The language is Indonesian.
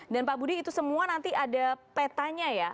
dan pak budi itu semua nanti ada petanya ya